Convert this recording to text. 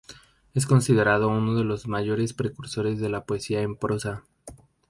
Es considerado uno de los mayores precursores de la poesía en prosa.